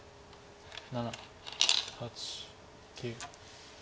７８９。